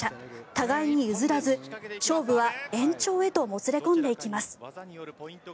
互いに譲らず、勝負は延長へともつれ込んでいきます。